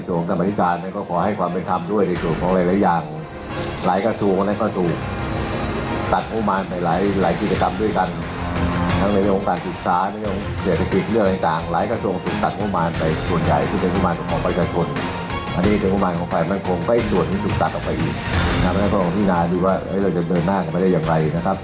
ต้องหาวิธีการแก้ผลประตูปที่จะเกิดขึ้นด้วยนะครับ